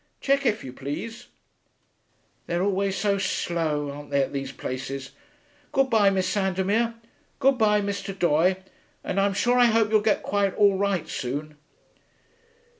Check, if you please.... They're always so slow, aren't they, at these places. Good bye, Miss Sandomir; good bye, Mr. Doye, and I'm sure I hope you'll get quite all right soon.'